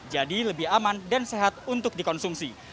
jadi lebih aman dan sehat untuk dikonsumsi